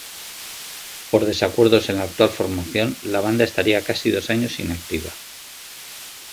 Por desacuerdos en la actual formación la banda estaría casi dos años inactiva.